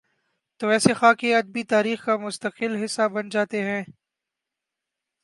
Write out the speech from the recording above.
توایسے خاکے ادبی تاریخ کا مستقل حصہ بن جا تے ہیں۔